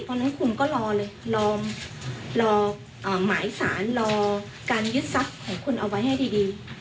เพราะฉะนั้นคุณก็รอเลยรอหมายสารรอการยึดทรัพย์ของคุณเอาไว้ให้ดี